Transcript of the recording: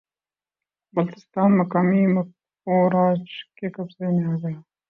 بلتستان مقامی مقپون راج کے قبضے میں آگیا